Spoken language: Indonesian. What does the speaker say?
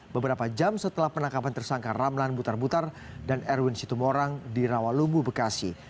beberapa jam setelah penangkapan tersangka ramlan butar butar dan erwin situmorang di rawalumbu bekasi